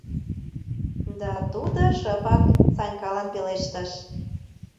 Да тудо шыпак Санькалан пелештыш: